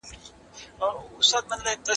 هغې له خپل خدای ورکړي نعمت څخه کار واخیست.